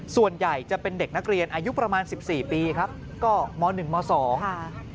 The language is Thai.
ส่วนใหญ่จะเป็นเด็กนักเรียนอายุประมาณ๑๔ปีครับก็ม๑ม๒ค่ะ